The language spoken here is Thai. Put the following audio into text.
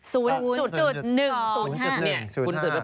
ศูนย์ศูนย์ศูนย์๑ศูนย์๕ศูนย์ศูนย์๑ศูนย์๕